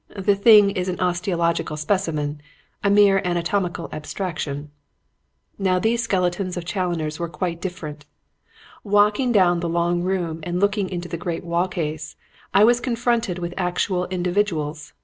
The thing is an osteological specimen; a mere anatomical abstraction. Now these skeletons of Challoner's were quite different. Walking down the long room and looking into the great wall case, I was confronted with actual individuals.